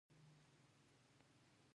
د بلخ سبزې وار د باختر دیوالونه لري